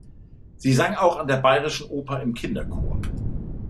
Sie sang auch an der bayerischen Oper im Kinderchor.